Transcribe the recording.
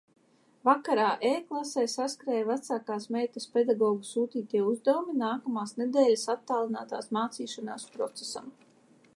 Vakarā e-klasē saskrēja vecākās meitas pedagogu sūtītie uzdevumi nākamās nedēļas attālinātās mācīšanās procesam.